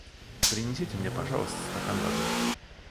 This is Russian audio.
Принесите мне, пожалуйста, стакан воды.